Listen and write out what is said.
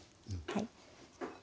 はい。